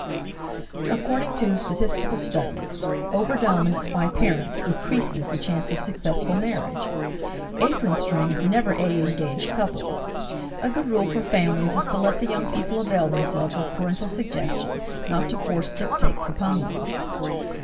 According to statistical studies, overdominance by parents decreases the chance of successful marriage. Apron strings never aid engaged couples. A good rule for families is to let the young people avail themselves of parental suggestion, not to force dictates upon them.